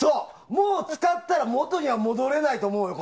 もう使ったら元に戻れないと思うよ。